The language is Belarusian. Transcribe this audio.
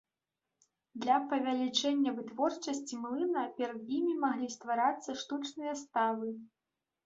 Для павялічэння вытворчасці млына перад імі маглі стварацца штучныя ставы.